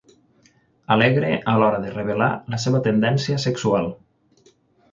Alegre a l'hora de revelar la seva tendència sexual.